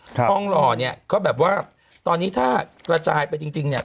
ห้องหล่อเนี่ยก็แบบว่าตอนนี้ถ้ากระจายไปจริงเนี่ย